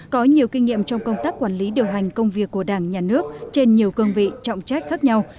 có nhiều kinh nghiệm trong công tác quản lý điều hành công việc của đảng nhà nước trên nhiều cương vị trọng trách khác nhau